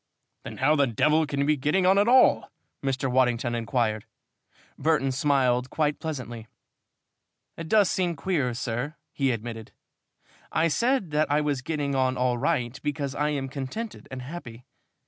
"Then how the devil can you be getting on at all?" Mr. Waddington inquired. Burton smiled quite pleasantly. "It does seem queer, sir," he admitted. "I said that I was getting on all right because I am contented and happy.